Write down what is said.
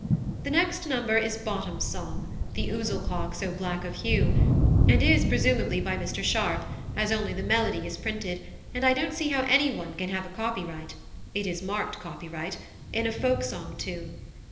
The next number is Bottom's song, "The ousel cock so black of hue," and is, presumably, by Mr Sharp, as only the melody is printed, and I don't see how anyone can have a copyright (it is marked copyright) in a folk song tune.